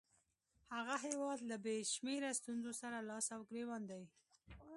هغه هیواد له بې شمېره ستونزو سره لاس او ګرېوان دی.